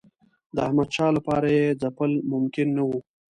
د احمدشاه لپاره یې ځپل ممکن نه وو.